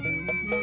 terima kasih pak